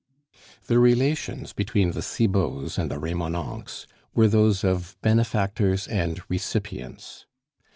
The relations between the Cibots and the Remonencqs were those of benefactors and recipients.